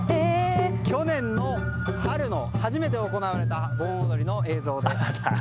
去年の春に初めて行われた盆踊りの映像です。